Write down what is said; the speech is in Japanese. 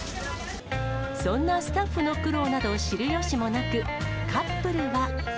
そんなスタッフの苦労など知るよしもなく、カップルは。